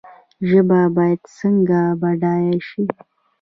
ژبه باید څنګه بډایه شي؟